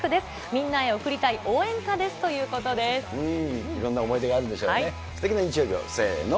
みんなへ贈りたい応援歌ですといいろんな思い出があるんでしょうね。